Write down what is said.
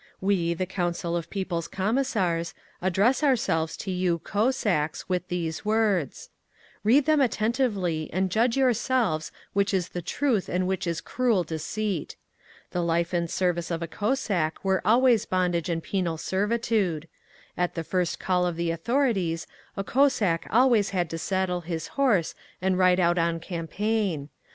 We, the Council of People's Commissars, address ourselves to you, Cossacks, with these words. Read them attentively and judge yourselves which is the truth and which is cruel deceit. The life and service of a Cossack were always bondage and penal servitude. At the first call of the authorities a Cossack always had to saddle his horse and ride out on campaign.